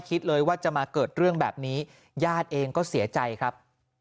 คิดเลยว่าจะมาเกิดเรื่องแบบนี้ญาติเองก็เสียใจครับ